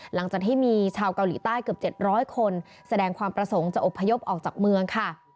หลังจากที่มีชาวเกาหลีใต้เกือบ๗๐๐คนแสดงความประสงค์จะอบพยพออกจากเมืองค่ะ